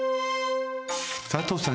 佐藤さん